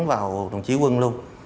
vào đồng chí quân luôn